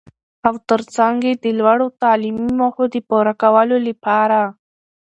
او تر څنګ يې د لوړو تعليمي موخو د پوره کولو لپاره.